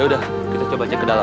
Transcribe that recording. yaudah kita coba cek ke dalam